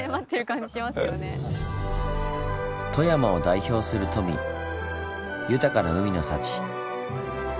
富山を代表する富豊かな海の幸。